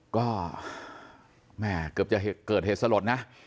ก็แม่เกือบจะเกิดเหตุสลดนะ